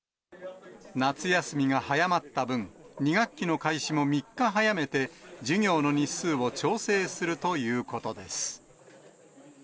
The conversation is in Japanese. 夏休みが早まった分、２学期の開始も３日早めて、授業の日数を調整するということです。